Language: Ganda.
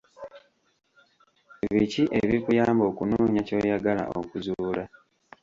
Biki ebikuyamba okunoonya ky'oyagala okuzuula?